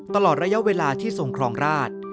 ตลอดระยะเวลาที่ทรงครองราช